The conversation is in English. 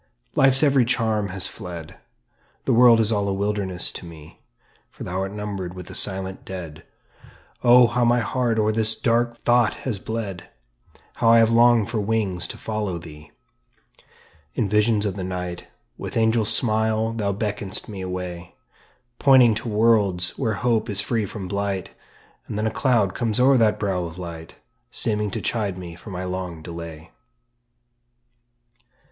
Life's every charm has fled, The world is all a wilderness to me; "For thou art numbered with the silent dead." Oh, how my heart o'er this dark thought has bled! How I have longed for wings to follow thee! In visions of the night With angel smile thou beckon'st me away, Pointing to worlds where hope is free from blight; And then a cloud comes o'er that brow of light, Seeming to chide me for my long delay.